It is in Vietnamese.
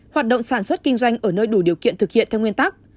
hoạt động sản xuất kinh doanh ở nơi đủ điều kiện thực hiện theo nguyên tắc